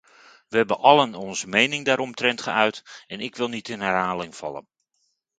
Wij hebben allen onze mening daaromtrent geuit en ik wil niet in herhaling vallen.